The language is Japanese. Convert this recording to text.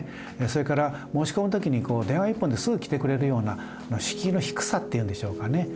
それから申し込む時に電話一本ですぐ来てくれるような敷居の低さっていうんでしょうかね。